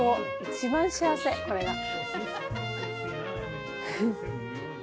一番幸せこれが。